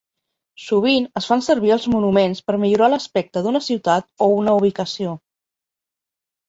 Sovint es fan servir els monuments per millorar l'aspecte d'una ciutat o una ubicació.